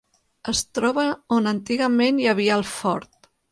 Es troba on antigament hi havia el Fort.